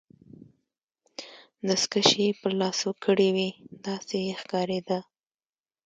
دستکشې يې په لاسو کړي وې، داسې یې ښکاریده.